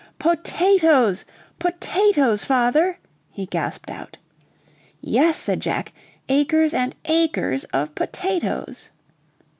"Potatoes! potatoes! father," he gasped out. "Yes," said Jack, "acres and acres of potatoes!"